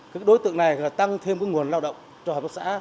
các đối tượng này tăng thêm nguồn lao động cho hợp tác xã